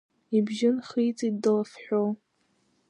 Ибжьы нхиҵеит длафҳәо.